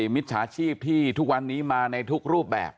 มิจฉาชีพที่ทุกวันนี้มาในทุกรูปแบบ